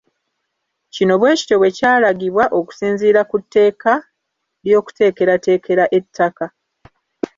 Kino bwekityo bwe kyalagibwa okusinziira ku tteeka ly’okuteekerateekera ettaka.